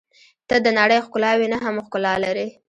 • ته د نړۍ ښکلاوې نه هم ښکلا لرې.